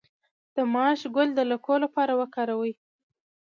د ماش ګل د لکو لپاره وکاروئ